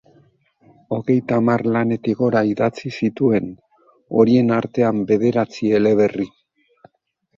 Hogeita hamar lanetik gora idatzi zituen, horien artean bederatzi eleberri.